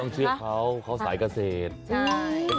ต้องเชื่อเขาเขาใส่เกษตร